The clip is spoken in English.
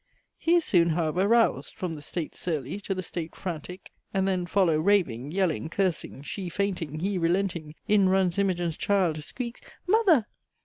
He is soon however roused from the state surly to the state frantick, and then follow raving, yelling, cursing, she fainting, he relenting, in runs Imogine's child, squeaks "mother!"